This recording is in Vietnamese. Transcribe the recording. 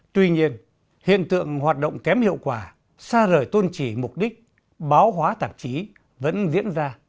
tuy nhiên hiện tượng hoạt động kém hiệu quả xa rời tôn trì mục đích báo hóa tạp chí vẫn diễn ra